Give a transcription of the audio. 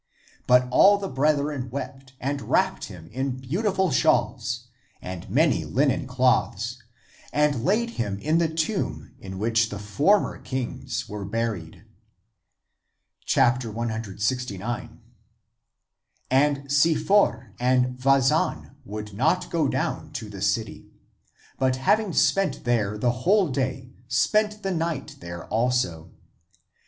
But all the brethren wept and wrapped him in beautiful shawls, and many linen cloths, and laid him in the tomb in which the former kings were buried. 169. And Si for and Vazan would not go down to the city, but, having spent there the whole day, spent the night there also.